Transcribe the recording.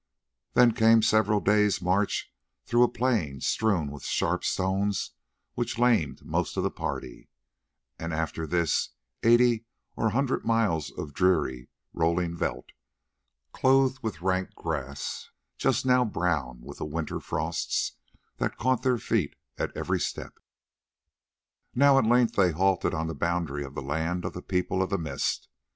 Then came several days' march through a plain strewn with sharp stones which lamed most of the party; and after this eighty or a hundred miles of dreary rolling veldt, clothed with rank grass just now brown with the winter frosts, that caught their feet at every step. Now at length they halted on the boundary of the land of the People of the Mist.